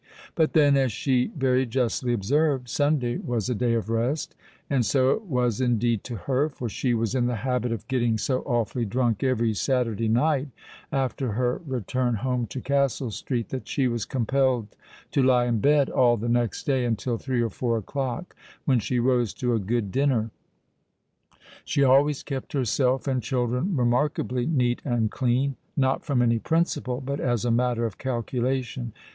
But then, as she very justly observed, Sunday was a day of rest; and so it was indeed to her—for she was in the habit of getting so awfully drunk every Saturday night, after her return home to Castle Street, that she was compelled to lie in bed all the next day until three or four o'clock, when she rose to a good dinner. She always kept herself and children remarkably neat and clean—not from any principle, but as a matter of calculation.